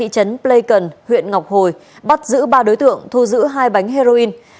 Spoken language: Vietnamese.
cần huyện ngọc hồi bắt giữ ba đối tượng thu giữ hai bánh heroin